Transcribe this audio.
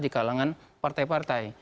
di kalangan partai partai